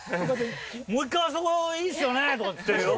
もう１回あそこいいっすよね？とか言ってるよ。